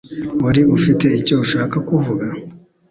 Wari ufite icyo ushaka kuvuga?